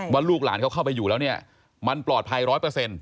ลูกหลานเขาเข้าไปอยู่แล้วเนี่ยมันปลอดภัยร้อยเปอร์เซ็นต